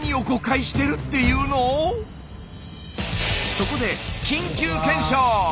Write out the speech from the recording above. そこで緊急検証！